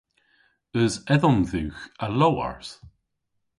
Eus edhom dhywgh a lowarth?